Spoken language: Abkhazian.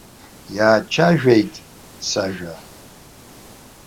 Иаацәажәеит сажәа.